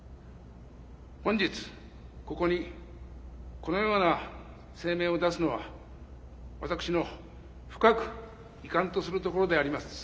「本日ここにこのような声明を出すのは私の深く遺憾とするところであります」。